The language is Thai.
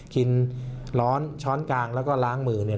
กินร้อนช้อนกลางแล้วก็ล้างมือเนี่ย